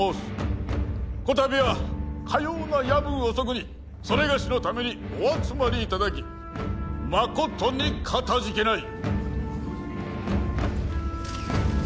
こたびはかような夜分遅くにそれがしのためにお集まり頂きまことにかたじけない。